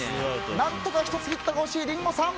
何とか１つヒットが欲しいリンゴさん。